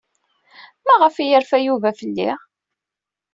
Maɣef ay yerfa Yuba fell-i?